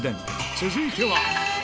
続いては。